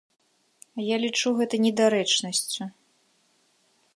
Я лічу гэта недарэчнасцю.